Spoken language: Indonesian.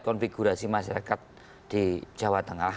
konfigurasi masyarakat di jawa tengah